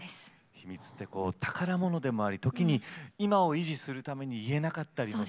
秘密って宝物でもあり時に今を維持するために言えなかったりする。